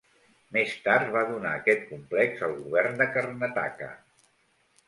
Més tard va donar aquest complex al Govern de Karnataka.